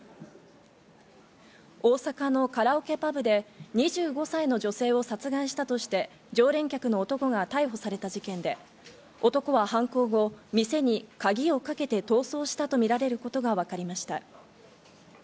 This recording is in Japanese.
大阪のカラオケパブで２５歳の女性を殺害したとして常連客の男が逮捕された事件で、男は犯行後、店に鍵をかけて逃走したとみられることがわかりました。